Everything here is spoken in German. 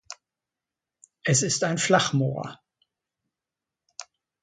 Es ist ein Flachmoor.